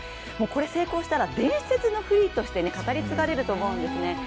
これ成功したら伝説のフリーとして、語り継がれると思うんですね。